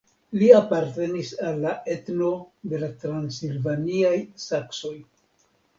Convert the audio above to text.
Li apartenis al la etno de la transilvaniaj saksoj.